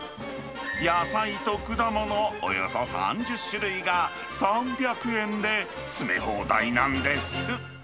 野菜と果物およそ３０種類が、３００円で詰め放題なんです。